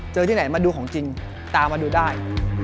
ที่ไหนมาดูของจริงตามมาดูได้